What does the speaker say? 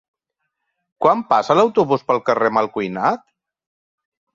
Quan passa l'autobús pel carrer Malcuinat?